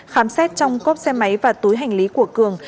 khám xét trong cốp xe máy và túi hành lý của cường